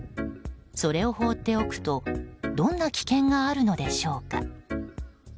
それを放っておくとどんな危険があるのでしょうか？